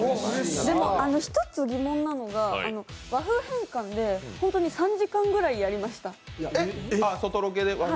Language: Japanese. でも、一つ疑問なのが、和風変換で本当に３時間ぐらいやりました。